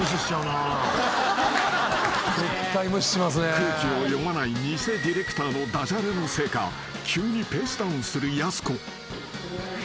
［空気を読まない偽ディレクターの駄じゃれのせいか急にペースダウンするやす子］